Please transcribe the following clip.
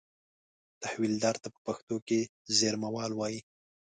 تحویلدار ته په پښتو کې زېرمهوال وایي.